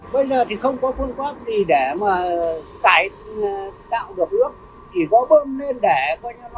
bây giờ thì không có phương pháp gì để mà cái đạo được nước chỉ có bơm lên để coi như nó lắng lắng trong được ít nào thôi